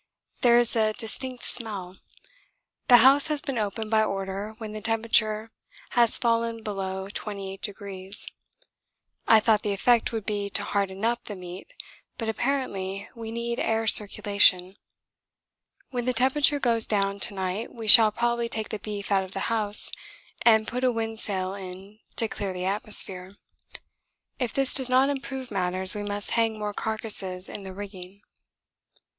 There is a distinct smell. The house has been opened by order when the temperature has fallen below 28°. I thought the effect would be to 'harden up' the meat, but apparently we need air circulation. When the temperature goes down to night we shall probably take the beef out of the house and put a wind sail in to clear the atmosphere. If this does not improve matters we must hang more carcasses in the rigging.